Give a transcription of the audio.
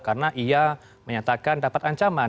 karena ia menyatakan dapat ancaman